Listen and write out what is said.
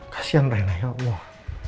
kasian rena ya allah